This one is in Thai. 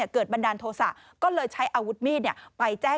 เกิดบันดาลโทษะก็เลยใช้อาวุธมีด